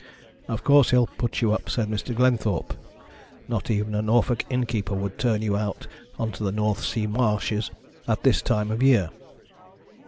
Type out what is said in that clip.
'Of course he'll put you up,' said Mr. Glenthorpe. 'Not even a Norfolk innkeeper would turn you out on to the North Sea marshes at this time of year.'